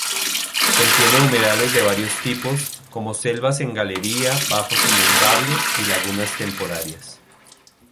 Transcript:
Contiene humedales de varios tipos, como selvas en galería, bajos inundables y lagunas temporarias.